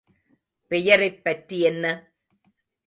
பெயரைப் பற்றி என்ன?